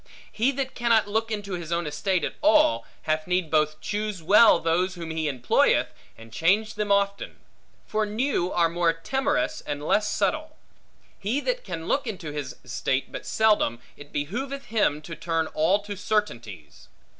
He that cannot look into his own estate at all, had need both choose well those whom he employeth, and change them often; for new are more timorous and less subtle. He that can look into his estate but seldom, it behooveth him to turn all to certainties.